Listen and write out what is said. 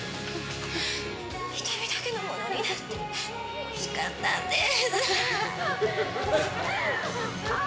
ひとみだけのものになってほしかったんです。